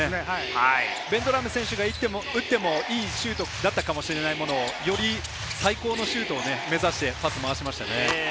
ベンドラメ選手が打ってもいいシュートだったかもしれないものをより最高のシュートを目指してパスを回しましたね。